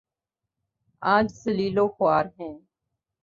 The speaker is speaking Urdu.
آج ذلیل وخوار ہیں۔